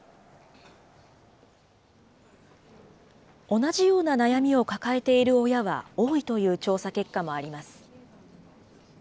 同じような悩みを抱えている親は多いという調査結果もあります。